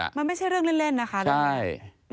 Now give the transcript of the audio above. มันไม่ใช่เรื่องเล่นนะคะใช่